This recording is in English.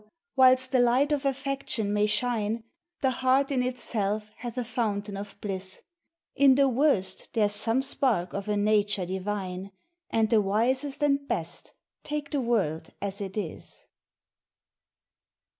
whilst the light of affect ion may shine, The heart in itself hath a fountain of bliss; In the worst there 's some spark of a nature di vine, And the wisest and best take the world as it is.